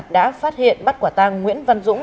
đã phát hiện bắt quả tang nguyễn văn dũng